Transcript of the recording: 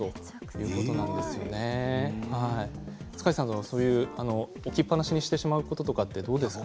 塚地さん、そういう置きっぱなしにしてしまうことってどうですか。